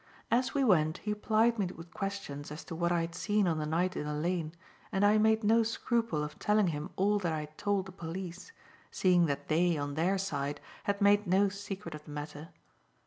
As we went, he plied me with questions as to what I had seen on the night in the lane, and I made no scruple of telling him all that I had told the police, seeing that they, on their side, had made no secret of the matter.